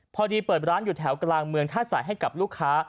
พอดีเปิดร้านอยู่แถวกลางเมืองท่าสายให้กับลูกค้า